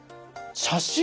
写真？